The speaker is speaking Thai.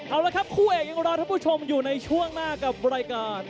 เอาละครับคู่เอกยังรอท่านผู้ชมอยู่ในช่วงหน้ากับรายการ